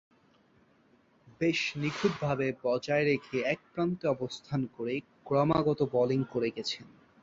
বেশ নিখুঁতভাবে বজায় রেখে এক প্রান্তে অবস্থান করে ক্রমাগত বোলিং করে গেছেন।